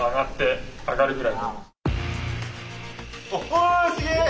わすげえ！